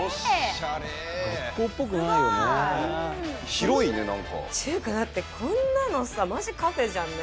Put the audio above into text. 広いねなんか。っていうかだってこんなのさマジカフェじゃんね。